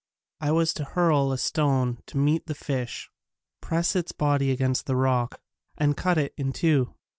I was to hurl a stone to meet the fish, press its body against the rock, and cut it in two.